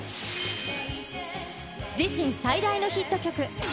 自身最大のヒット曲、慟哭。